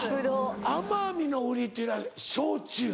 奄美の売りっていうのは焼酎？